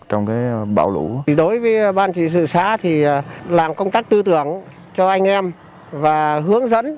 trong bão chốt